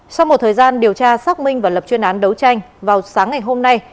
sau một thời gian điều tra xác minh và lập chuyên án đấu tranh vào sáng ngày hôm nay